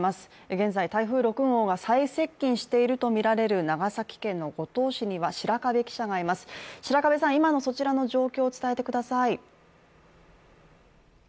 現在、台風６号が最接近しているとみられる長崎県の五島市には白壁記者がいます、今のそちらの状況を伝えてください。